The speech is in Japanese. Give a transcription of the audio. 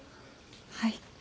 はい。